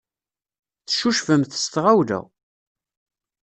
Teccucfemt s tɣawla.